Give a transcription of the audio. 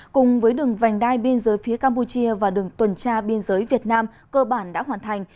cùng với đường vành đai biên giới phía campuchia và đường tuần tra biên giới việt nam cơ bản đã hoàn thành